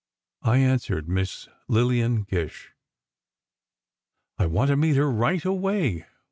I answered, "Miss Lillian Gish." "I want to meet her right away!